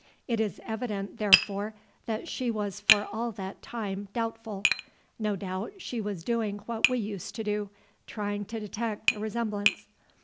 It is evident, therefore, that she was for all that time doubtful. No doubt she was doing what we used to do, trying to detect a resemblance.